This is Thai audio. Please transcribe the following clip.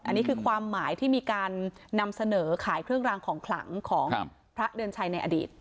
อันนี้คือความหมายที่มีการนำเสนอขายเครื่องรางของขลังของพระเดือนชัยในอดีต